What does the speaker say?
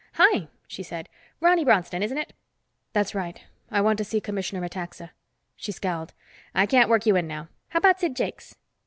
"Hi," she said. "Ronny Bronston, isn't it?" "That's right. I want to see Commissioner Metaxa." She scowled. "I can't work you in now. How about Sid Jakes?"